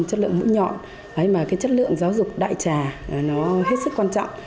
chất lượng mũi nhọn mà cái chất lượng giáo dục đại trà nó hết sức quan trọng